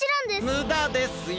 むだですよ。